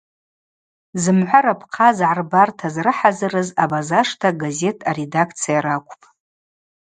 Зымгӏва рапхъа згӏарбарта зрыхӏазырыз Абазашта газет аредакция ракӏвпӏ.